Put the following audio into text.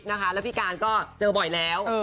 แล้วพี่การก็เจอบ่อยแล้ว